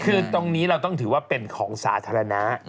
คือตรงนี้เราต้องถือว่าเป็นของสาธารณะ